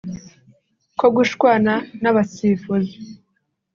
ko gushwana n’abasifuzi